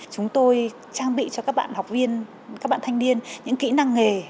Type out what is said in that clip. chúng tôi trang bị cho các bạn học viên các bạn thanh niên những kỹ năng nghề